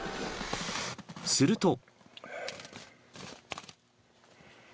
［すると］